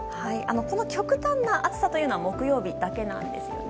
この極端な暑さというのは木曜日だけです。